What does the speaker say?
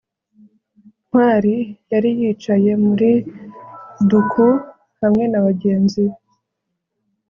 ntwali yari yicaye muri ducout hamwe na bagenzi be